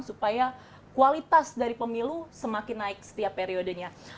supaya kualitas dari pemilu semakin naik setiap periodenya